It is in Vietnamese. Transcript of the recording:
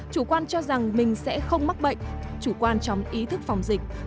chủ quan cho rằng mình sẽ không mắc bệnh chủ quan chóng ý thức phòng dịch